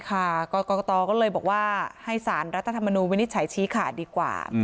กรกตก็เลยบอกว่าให้สารรัฐธรรมนูญวินิจฉัยชี้ขาดดีกว่า